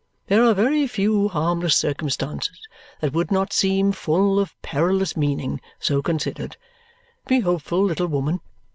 There are very few harmless circumstances that would not seem full of perilous meaning, so considered. Be hopeful, little woman.